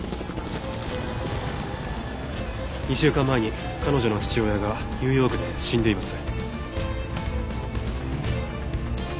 ２週間前に彼女の父親がニューヨークで死んでいます。